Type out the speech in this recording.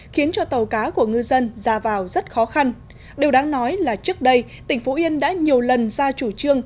khiến cho tàu cá của ngư dân ra vào rất khó khăn điều đáng nói là trước đây tỉnh phú yên đã nhiều lần ra chủ trương